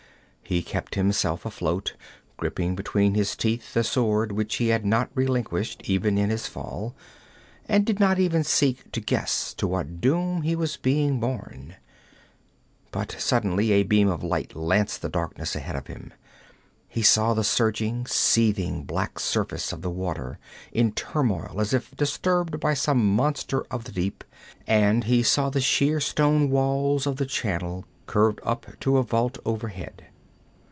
He kept himself afloat, gripping between his teeth the sword, which he had not relinquished, even in his fall, and did not even seek to guess to what doom he was being borne. But suddenly a beam of light lanced the darkness ahead of him. He saw the surging, seething black surface of the water, in turmoil as if disturbed by some monster of the deep, and he saw the sheer stone walls of the channel curved up to a vault overhead.